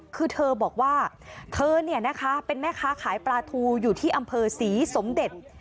คือเธอบอกว่าเธอเนี่ยนะคะเป็นแม่ค้าขายปลาทูอยู่ที่อำเภอศรีสมเด็จ